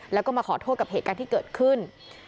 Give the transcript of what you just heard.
แล้วก็มาขอโทษกับเหตุการณ์ที่เกิดขึ้น